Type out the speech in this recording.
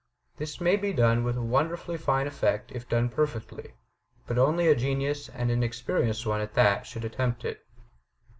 This may be done with wonderfully fine effect if done perfectly. But only a genius, and an experienced one at that, should attempt it.